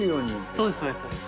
そうです。